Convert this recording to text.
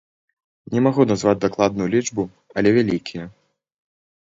Не магу назваць дакладную лічбу, але вялікія.